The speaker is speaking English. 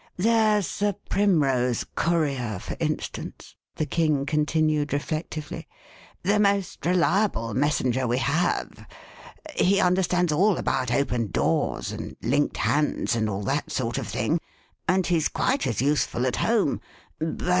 There's the Primrose Courier, for instance," the King continued reflectively, the most reliable Mes senger we have ; he understands all about Open Doors and Linked Hands and all that sort of thing, and he's quite as useful at home.